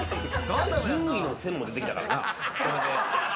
獣医の線も出てきたからな。